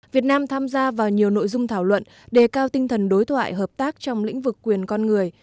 việt nam tham gia vào nhiều nội dung thảo luận đề cao tinh thần đối thoại hợp tác trong lĩnh vực quyền con người